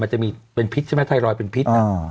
มันจะมีเป็นพิษใช่ไหมไทรอยด์เป็นพิษ